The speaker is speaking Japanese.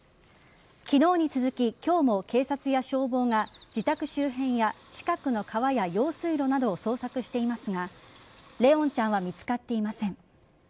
昨日に続き今日も警察や消防が自宅周辺や近くの川や用水路などを捜索していますが怜音ちゃんは見つかっていません。